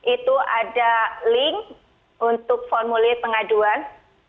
itu ada link untuk formulir pengaduan